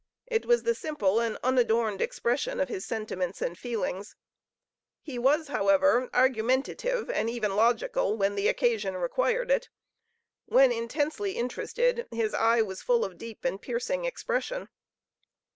It was the simple and unadorned expression of his sentiments and feelings. He was, however, argumentative and even logical, when the occasion required it. When intensely interested, his eye was full of deep and piercing expression.